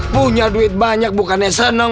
punya duit banyak bukannya seneng